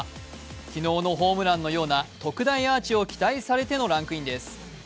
昨日のホームランのような特大アーチを期待されてのランクインです。